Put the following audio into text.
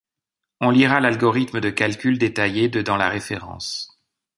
On lira l'algorithme de calcul détaillé de dans la référence.